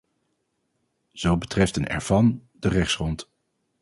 Zo betreft een ervan de rechtsgrond.